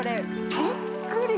びっくり。